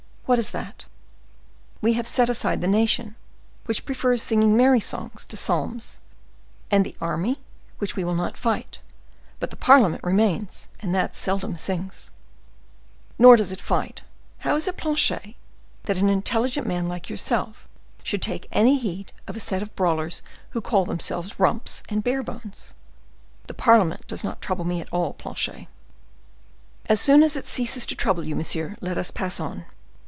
"What is that?" "We have set aside the nation, which prefers singing merry songs to psalms, and the army, which we will not fight; but the parliament remains, and that seldom sings." "Nor does it fight. How is it, Planchet, that an intelligent man like yourself should take any heed of a set of brawlers who call themselves Rumps and Barebones? The parliament does not trouble me at all, Planchet." "As soon as it ceases to trouble you, monsieur, let us pass on."